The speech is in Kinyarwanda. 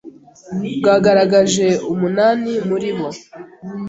bwagaragaje umunani muri bo